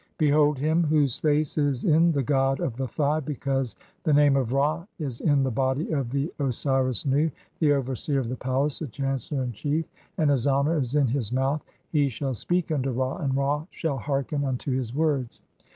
Be "hold him whose face is in the god of the Thigh, because the "name of Ra is in the body of the Osiris Nu, the overseer of "the palace, the chancellor in chief, and his honour is in his "mouth ; (20) he shall speak unto Ra, and Ra shall hearken "unto his words."